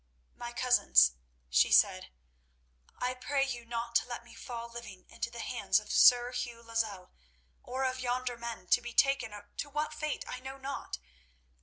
"My cousins," she said, "I pray you not to let me fall living into the hands of Sir Hugh Lozelle, or of yonder men, to be taken to what fate I know not.